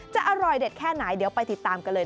จะอร่อยเด็ดแค่ไหนเดี๋ยวไปติดตามกันเลย